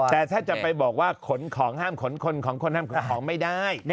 แต่ถ้าจะไปบอกว่าขนของห้ามขนคนของคนห้ามขนของไม่ได้